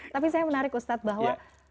tapi saya menarik ustadz bahwa